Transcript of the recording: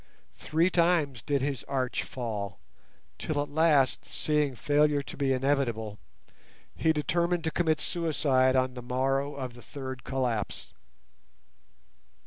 Three times did his arch fall, till at last, seeing failure to be inevitable, he determined to commit suicide on the morrow of the third collapse.